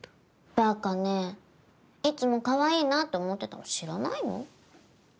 ばかねいつもかわいいなぁって思ってたの知らないの？